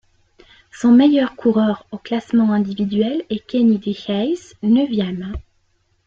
Son meilleur coureur au classement individuel est Keny Dehaes, neuvième.